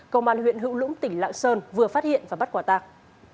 công an huyện hữu lũng tỉnh lạng sơn vừa phát hiện và bắt quả tàng